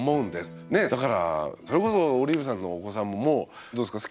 ねえだからそれこそオリーブさんのお子さんもどうですか？